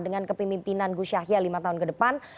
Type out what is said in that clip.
dengan kepemimpinan gus yahya lima tahun ke depan